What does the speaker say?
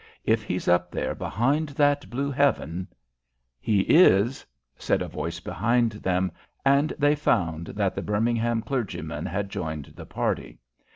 If He's up there behind that blue heaven " "He is," said a voice behind them, and they found that the Birmingham clergyman had joined the party.